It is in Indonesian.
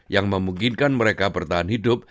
yang memungkinkan mereka bertahan hidup